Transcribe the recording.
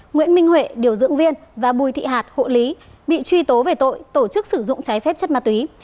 nguyễn minh huệ điều dưỡng viên và bùi thị hạt hộ lý bị truy tố về tội tổ chức sử dụng trái phép chất ma túy